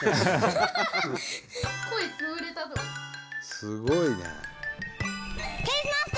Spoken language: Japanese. すごいね。